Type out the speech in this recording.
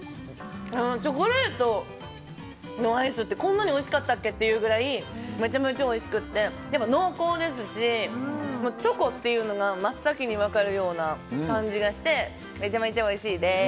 チョコレートのアイスってこんなにおいしかったっけっていうぐらいめちゃめちゃおいしくて濃厚ですし、チョコっていうのが真っ先に分かる感じがしてめちゃめちゃおいしいでーす。